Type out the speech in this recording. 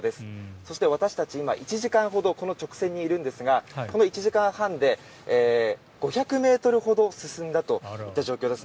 そして私たち今、１時間ほどこの直線にいるんですがこの１時間半で５００ｍほど進んだといった状況です。